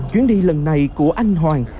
chuyến đi lần này của anh hoàng